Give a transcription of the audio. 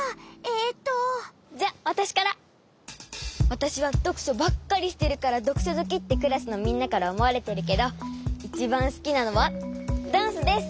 わたしはどくしょばっかりしてるからどくしょずきってクラスのみんなからおもわれてるけどいちばんすきなのはダンスです！